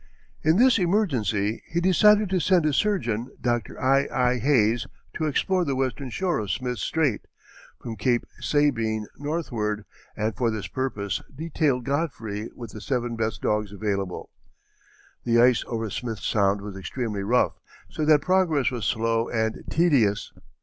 In this emergency he decided to send his surgeon, Dr. I. I. Hayes, to explore the western shore of Smith's Strait, from Cape Sabine northward, and for this purpose detailed Godfrey with the seven best dogs available. The ice over Smith's Sound was extremely rough, so that progress was slow and tedious.